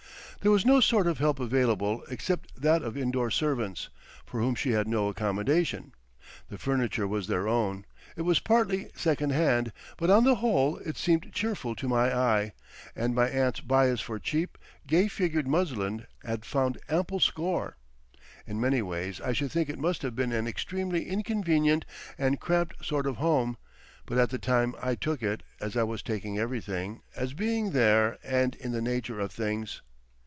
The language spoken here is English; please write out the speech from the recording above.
There was no sort of help available except that of indoor servants, for whom she had no accommodation. The furniture was their own; it was partly secondhand, but on the whole it seemed cheerful to my eye, and my aunt's bias for cheap, gay figured muslin had found ample score. In many ways I should think it must have been an extremely inconvenient and cramped sort of home, but at the time I took it, as I was taking everything, as being there and in the nature of things.